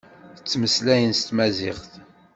Ttmeslayen s tmaziɣt.